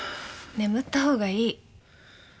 眠ったほうがいい。